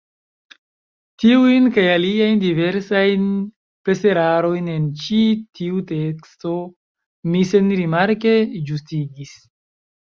Tiujn, kaj aliajn diversajn preserarojn en ĉi tiu teksto, mi senrimarke ĝustigis.